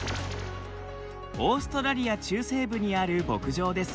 オーストラリア中西部にある牧場です。